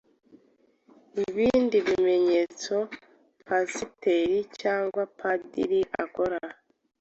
Ibindi bimenyetso Pasiteri cyangwa Padiri akora